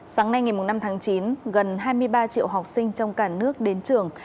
sáng nay ngày năm tháng chín gần hai mươi ba triệu học sinh trong cả nước đến trường